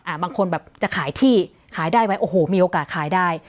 บางคนแบบจะขายที่ขายได้ไว้โอ้โหมีโอกาสขายได้